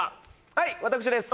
はい私です